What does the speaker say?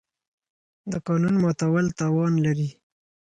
د قانون ماتول تاوان لري.